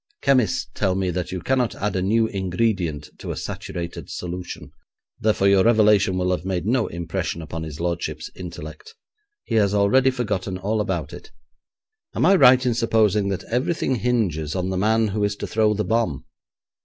Chemists tell me that you cannot add a new ingredient to a saturated solution; therefore your revelation will have made no impression upon his lordship's intellect. He has already forgotten all about it. Am I right in supposing that everything hinges on the man who is to throw the bomb?'